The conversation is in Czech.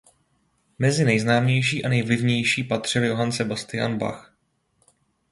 Mezi nejznámější a nejvlivnější patřil Johann Sebastian Bach.